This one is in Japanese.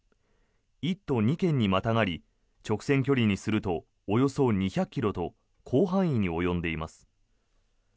１都２県にまたがり直線距離にするとおよそ２００ｋｍと広範囲に及んでいます。